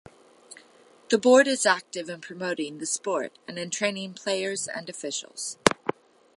The Board is active in promoting the sport and in training players and officials.